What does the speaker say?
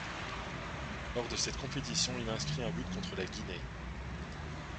Lors de cette compétition il inscrit un but contre la Guinée.